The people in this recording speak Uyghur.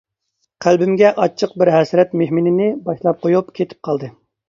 قەلبىمگە ئاچچىق بىر ھەسرەت مېھمىنىنى باشلاپ قۇيۇپ كېتىپ قالدى.